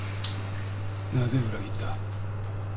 なぜ裏切った？